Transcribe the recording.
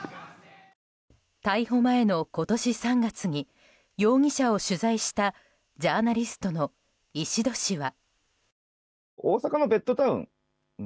逮捕前の今年３月に容疑者を取材したジャーナリストの石戸氏は。